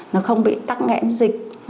nó không bị tắc nghẽn dịch